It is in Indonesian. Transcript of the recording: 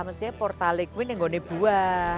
maksudnya portal ini tidak ada di bawah